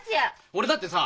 俺だってさ